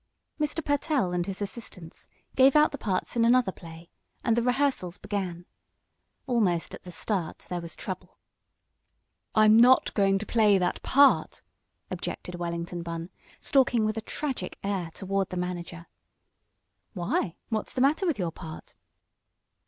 Mr. Pertell and his assistants gave out the parts in another play, and the rehearsals began. Almost at the start there was trouble. "I'm not going to play that part!" objected Wellington Bunn, stalking with a tragic air toward the manager. "Why, what's the matter with your part?"